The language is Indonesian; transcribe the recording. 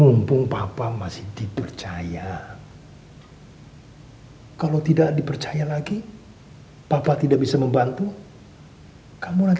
itu kan namanya egois toh